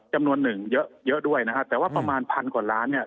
จำนวนหนึ่งเยอะเยอะด้วยนะฮะแต่ว่าประมาณพันกว่าล้านเนี่ย